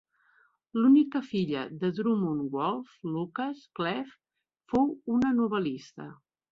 L'única filla de Drummond Wolff, Lucas Cleeve, fou una novel·lista.